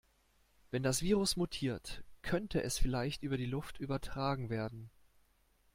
Wenn das Virus mutiert, könnte es vielleicht über die Luft übertragen werden.